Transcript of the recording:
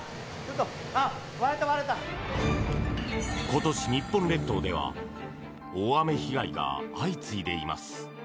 今年、日本列島では大雨被害が相次いでいます。